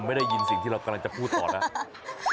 ไม่ได้ยินสิ่งที่เรากำลังจะพูดต่อแล้ว